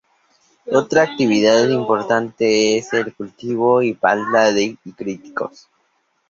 Otra actividad importante es el cultivo de palta y cítricos.